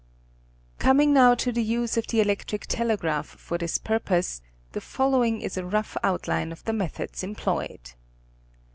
Coming now to the use of the electric telegraph for this pur pose the following is a rough outline of the methods employed.